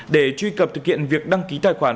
để truy cập thực hiện việc đăng ký tài khoản